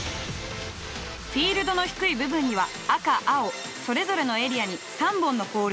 フィールドの低い部分には赤青それぞれのエリアに３本のポール。